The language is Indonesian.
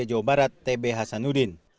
jawa barat t b hasanuddin